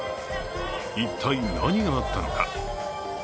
一体何があったのか。